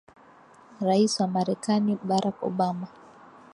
rais wa marekani barack obama